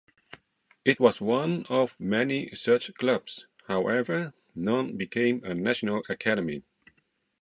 It was one of many such clubs; however, none became a national academy.